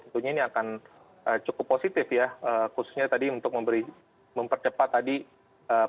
tentunya ini akan cukup positif ya khususnya tadi untuk memberi mempercepat tadi ya